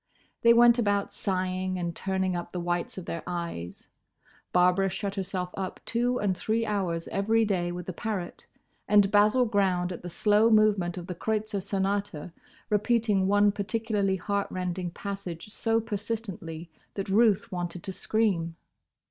They went about sighing and turning up the whites of their eyes; Barbara shut herself up two and three hours every day with the parrot, and Basil ground at the slow movement of the Kreutzer Sonata, repeating one particularly heart rending passage so persistently that Ruth wanted to scream.